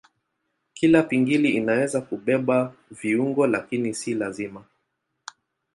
Kila pingili inaweza kubeba viungo lakini si lazima.